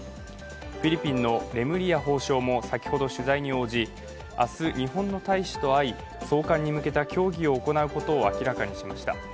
フィリピンのレムリヤ法相も先ほど、取材に応じ明日、日本の大使と会い送還に向けた協議を行うことを明らかにしました。